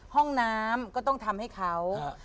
ห้องน้ำก็ต้องทำให้เขา